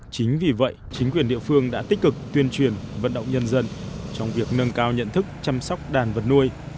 chính vì vậy chính quyền địa phương đã tích cực tuyên truyền vận động nhân dân trong việc nâng cao nhận thức chăm sóc đàn vật nuôi